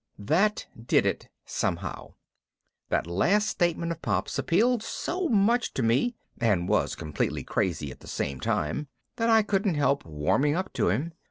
That did it, somehow. That last statement of Pop's appealed so much to me and was completely crazy at the same time, that I couldn't help warming up to him.